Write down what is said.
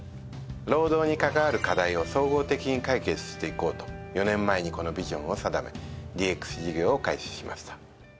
労働に関わる課題を総合的に解決していこうと４年前にこのビジョンを定めＤＸ事業を開始しました。